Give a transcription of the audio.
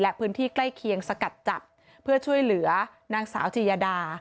และพื้นที่ใกล้เคียงสกัดจับเพื่อช่วยเหลือนางสาวจียดา